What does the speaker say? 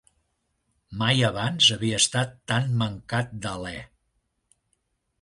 Mai abans havia estat tan mancat d'alè.